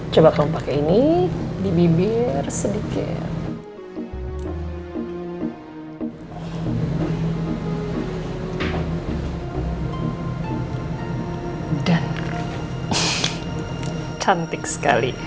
sampai jumpa di video selanjutnya